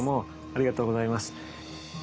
ありがとうございます。